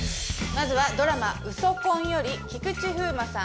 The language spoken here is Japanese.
まずはドラマ『ウソ婚』より菊池風磨さん